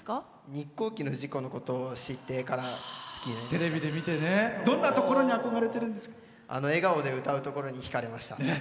日航機の事故のことを知ってからどんなところに笑顔で歌うところにひかれました。